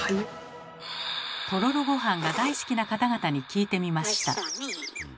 とろろごはんが大好きな方々に聞いてみました。